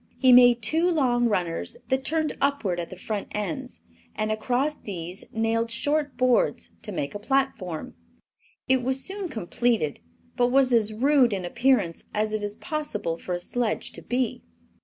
He made two long runners that turned upward at the front ends, and across these nailed short boards, to make a platform. It was soon completed, but was as rude in appearance as it is possible for a sledge to be.